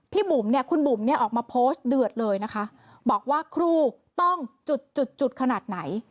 บุ๋มเนี่ยคุณบุ๋มเนี่ยออกมาโพสต์เดือดเลยนะคะบอกว่าครูต้องจุดจุดขนาดไหน